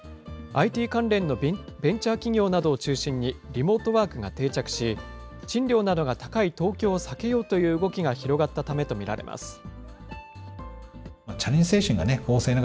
ＩＴ関連のベンチャー企業などを中心にリモートワークが定着し、賃料などが高い東京を避けようという動きが広がったためと見られます。